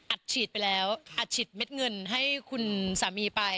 ฉีดไปแล้วอัดฉีดเม็ดเงินให้คุณสามีไป